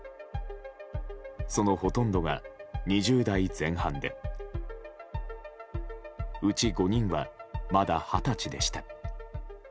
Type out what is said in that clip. そのほとんどが、２０代前半でうち５人はまだ二十歳でした。